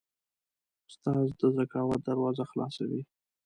استاد د ذکاوت دروازه خلاصوي.